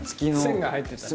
線が入ってたり。